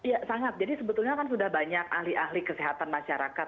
ya sangat jadi sebetulnya kan sudah banyak ahli ahli kesehatan masyarakat